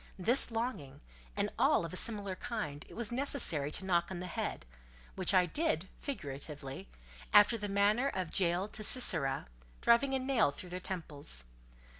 This longing, and all of a similar kind, it was necessary to knock on the head; which I did, figuratively, after the manner of Jael to Sisera, driving a nail through their temples.